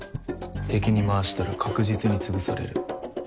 敵に回したら確実に潰される。